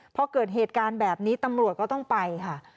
พอเกิดเหตุการณ์แบบนี้ตำรวจก็ต้องไปค่ะ